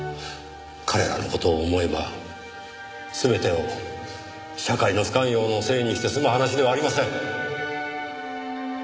彼らの事を思えば全てを社会の不寛容のせいにして済む話ではありません。